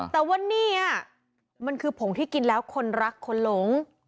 แต่ว่านี่มันคือผงที่กินแล้วคนรักคนหลง